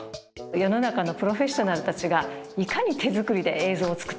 世の中のプロフェッショナルたちがいかに手作りで映像を作ってるか。